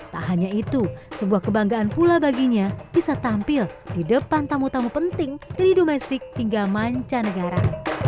tak hanya itu sebuah kebanggaan pula baginya bisa tampil di depan tamu tamu penting dari domestik hingga mancanegara